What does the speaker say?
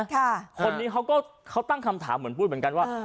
คนนี้เขาก็เขาตั้งคำถามเหมือนพูดเหมือนกันว่า